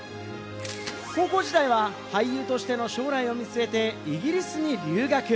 高校時代は俳優としての将来を見据えてイギリスに留学。